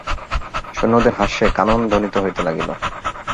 সৈন্যদের হাস্যে কানন ধ্বনিত হইতে লাগিল।